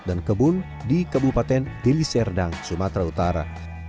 dan kebun di kebupaten deliserdang sumatera utara